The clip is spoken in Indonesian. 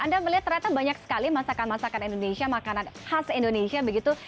anda melihat ternyata banyak sekali masakan masakan indonesia makanan khas indonesia begitu